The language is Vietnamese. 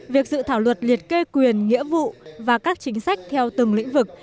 việc dự thảo luật liệt kê quyền nghĩa vụ và các chính sách theo từng lĩnh vực